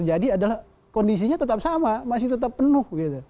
jadi adalah kondisinya tetap sama masih tetap penuh gitu